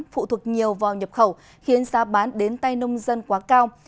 phụ thuộc nhiều vào nhập khẩu khiến giá bán đến tay nông dân quá cao